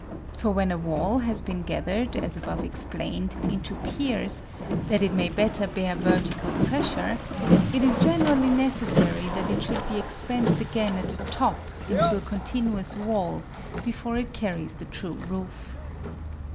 For when a wall has been gathered, as above explained, into piers, that it may better bear vertical pressure, it is generally necessary that it should be expanded again at the top into a continuous wall before it carries the true roof.